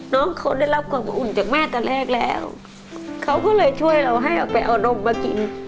น้องเขาได้รับความอบอุ่นจากแม่ตอนแรกแล้วเขาก็เลยช่วยเราให้เอาไปเอานมมากิน